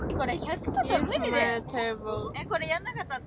You smell terrible.